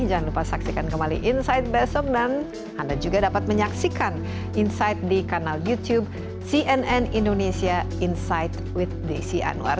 jangan lupa saksikan kembali insight besok dan anda juga dapat menyaksikan insight di kanal youtube cnn indonesia insight with desi anwar